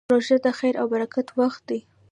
روژه د خیر او برکت وخت دی.